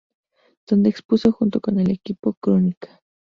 Donde expuso junto con el Equipo Crónica.